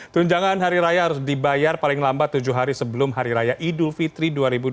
tunjangan hari raya harus dibayar paling lambat tujuh hari sebelum hari raya idul fitri dua ribu dua puluh